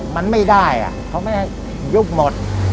มันไม่ได้เขาไม่ให้ยุบหมด